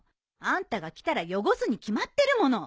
あんたが着たら汚すに決まってるもの。